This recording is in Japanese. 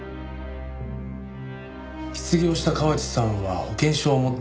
失業した河内さんは保険証を持っていなかった。